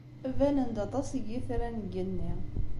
Banen-d aṭas n yitran deg yigenni.